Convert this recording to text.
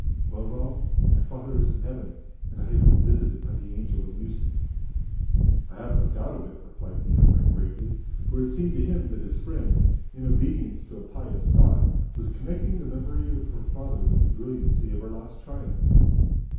Well, Raoul, my father is in Heaven, and I have been visited by the Angel of Music." "I have no doubt of it," replied the young man gravely, for it seemed to him that his friend, in obedience to a pious thought, was connecting the memory of her father with the brilliancy of her last triumph.